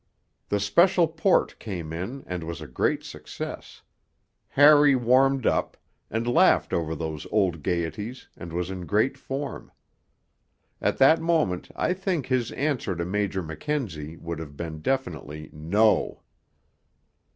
The special port came in and was a great success; Harry warmed up, and laughed over those old gaieties, and was in great form. At that moment I think his answer to Major Mackenzie would have been definitely 'No.'